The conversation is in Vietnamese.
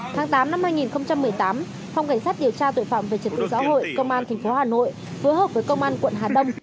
tháng tám năm hai nghìn một mươi tám phòng cảnh sát điều tra tội phạm về trật tự xã hội công an tp hà nội phối hợp với công an quận hà đông